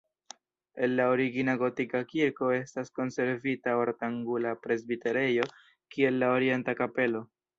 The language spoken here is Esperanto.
El la origina gotika kirko estas konservita ortangula presbiterejo kiel la orienta kapelo.